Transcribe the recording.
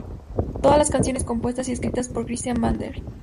Todas las canciones compuestas y escritas por Christian Vander.